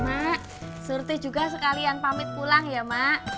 mak surti juga sekalian pamit pulang ya mak